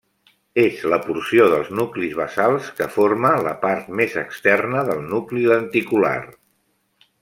És la porció dels nuclis basals que forma la part més externa del nucli lenticular.